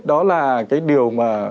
đó là cái điều mà